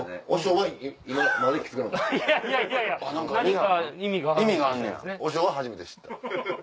和尚は初めて知った。